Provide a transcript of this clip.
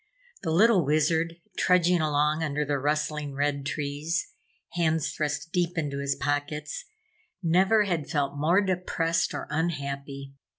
The little Wizard, trudging along under the rustling red trees, hands thrust deep into his pockets, never had felt more depressed or unhappy.